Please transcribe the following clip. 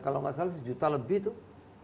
kalau gak salah sejuta lebih tuh